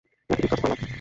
নাকি বিব্রতকর লাগে?